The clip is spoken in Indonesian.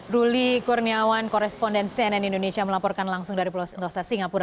ruli kurniawan koresponden cnn indonesia melaporkan langsung dari pulau sentosa singapura